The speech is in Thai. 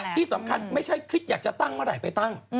ที่สำคัญไม่ใช่คิดอยากจะตั้งเมื่อไหร่ไปตั้ง